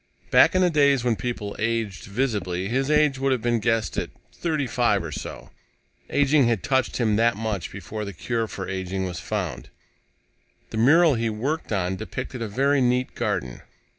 Back in the days when people aged visibly, his age would have been guessed at thirty five or so. Aging had touched him that much before the cure for aging was found. The mural he was working on depicted a very neat garden.